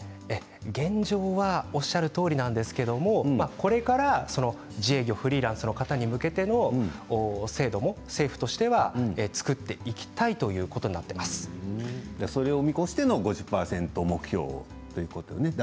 現状はおっしゃるとおりなんですけどこれから自営業フリーランスの方に向けての制度も政府としては作っていきたいそれを見越しての５０％目標ということよね。